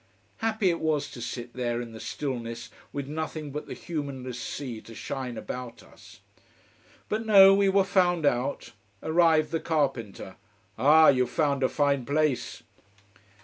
Happy it was to sit there in the stillness, with nothing but the humanless sea to shine about us. But no, we were found out. Arrived the carpenter. "Ah, you have found a fine place